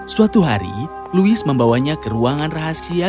suatu hari louis membawanya ke ruangan rahasia